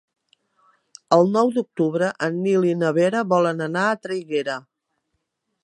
El nou d'octubre en Nil i na Vera volen anar a Traiguera.